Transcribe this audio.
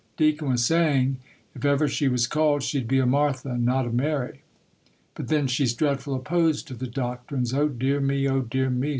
Deacon was saying, if ever she was called, she'd be a Martha, and not a Mary: but then she's dreadful opposed to the doctrines. Oh, dear me! oh, dear me!